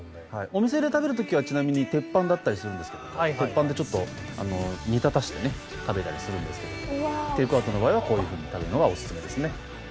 お店で食べる時はちなみに鉄板だったりするんですけど鉄板でちょっと煮立たせてね食べたりするんですけどテイクアウトの場合はこういうふうに食べるのがオススメですね。